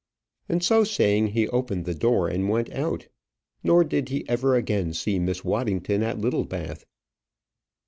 And so saying, he opened the door and went out; nor did he ever again see Miss Waddington at Littlebath.